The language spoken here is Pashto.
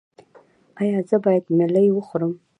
ایا زه باید ملی وخورم؟